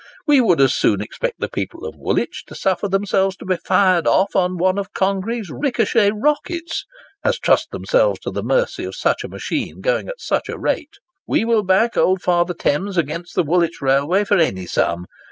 We would as soon expect the people of Woolwich to suffer themselves to be fired off upon one of Congreve's ricochet rockets, as trust themselves to the mercy of such a machine going at such a rate. We will back old Father Thames against the Woolwich Railway for any sum.